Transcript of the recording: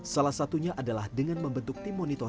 terus itu bertinanya mendekat